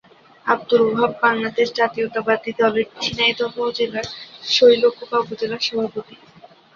আব্দুল ওহাব বাংলাদেশ জাতীয়তাবাদী দলের ঝিনাইদহ জেলার শৈলকুপা উপজেলার সভাপতি।